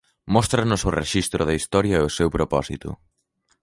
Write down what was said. Móstranos o rexistro da historia e o seu propósito.